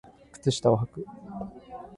靴下をはく